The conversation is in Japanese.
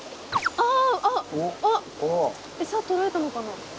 あっ餌とられたのかな。